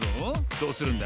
どうするんだ？